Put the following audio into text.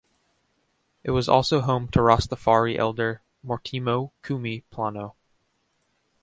It was also home to Rastafari elder Mortimo "Kumi" Planno.